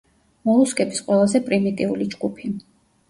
მოლუსკების ყველაზე პრიმიტიული ჯგუფი.